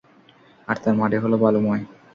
আর তার মাটি হলো বালুময়।